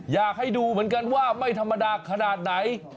อยากให้ดูเหมือนกันว่าไม่ธรรมดาขนาดไหน